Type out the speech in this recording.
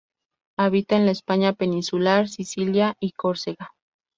Habita en la España peninsular, Sicilia y Córcega.